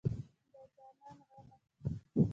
د جانان غمه